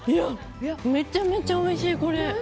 めちゃめちゃおいしい！